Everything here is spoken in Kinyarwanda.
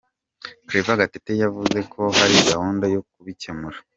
Claver Gatete yavuze ko hari gahunda yo kubikemura.